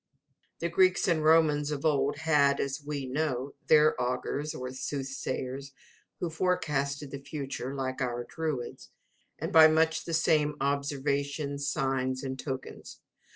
The Greeks and Romans of old had as we know their augurs or soothsayers, who forecasted the future, like our druids, and by much the same observations, signs, and tokens.